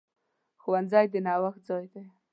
ښوونځی د نوښت ځای دی.